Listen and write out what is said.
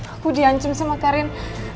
aku dihancam sama karin